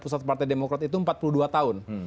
pusat partai demokrat itu empat puluh dua tahun